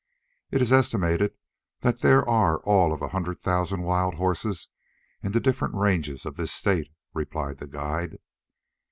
"It is estimated that there are all of a hundred thousand wild horses in the different ranges of this state," replied the guide.